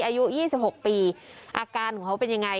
อายุ๒๖ปีอาการของเขาเป็นยังไง